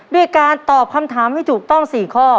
ด้วยการตอบคำถามให้ถูกต้อง๔ข้อ